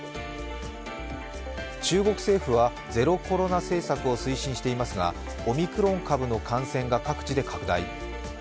中国政府はゼロコロナ政策を推進していますがオミクロン株の感染が各地で拡大。